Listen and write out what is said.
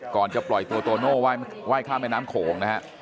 ก่อนจะปล่อยตัวโตโน่ไหว้ข้ามแม่น้ำโขงนะฮะ